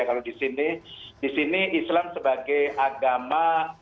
kalau di sini di sini islam sebagai agama